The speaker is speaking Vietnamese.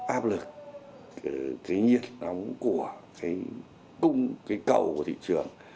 áp lực cái nhiệt nóng của cung cái cầu của thị trường